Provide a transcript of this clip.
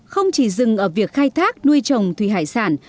không chỉ dừng ở việc khai thác nuôi trồng thủy hải sản